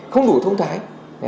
không đủ thông thái